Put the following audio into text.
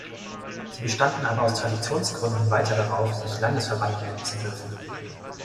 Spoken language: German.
Sie bestanden aber aus Traditionsgründen weiter darauf, sich Landesverband nennen zu dürfen.